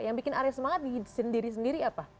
yang bikin area semangat sendiri sendiri apa